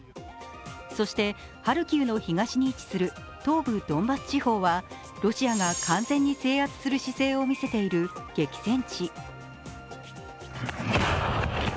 そして、ハルキウの東に位置する東部ドンバス地方は、ロシアが完全に制圧する姿勢を見せている激戦地。